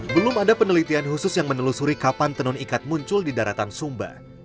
belum ada penelitian khusus yang menelusuri kapan tenun ikat muncul di daratan sumba